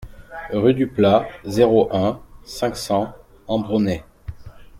Rue du Plat, zéro un, cinq cents Ambronay